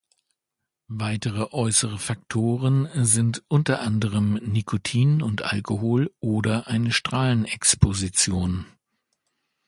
Weitere äußere Faktoren sind unter anderem Nikotin und Alkohol oder eine Strahlenexposition.